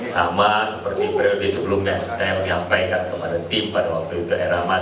sama seperti prioritas sebelumnya saya menyampaikan kepada tim pada waktu itu